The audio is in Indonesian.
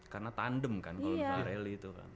karena tandem kan kalau bukan rally itu kan